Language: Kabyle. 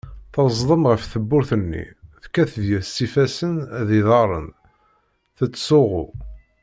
Teẓdem ɣef tewwurt-nni, tekkat deg-s s ifassen d iḍarren, tettsuɣu.